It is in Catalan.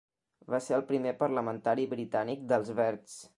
Va ser el primer parlamentari britànic dels Verds.